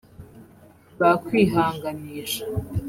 bakwihanganisha